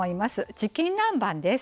チキン南蛮です。